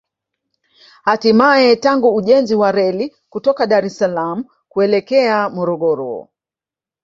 Hatimae tangu ujenzi wa reli kutoka Dar es Salaam kuelekea Morogoro